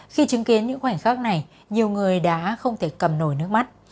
khi chứng kiến những khoảnh khắc này nhiều người đã không thể cầm nổi nước mắt